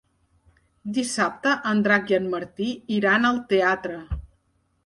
Dissabte en Drac i en Martí iran al teatre.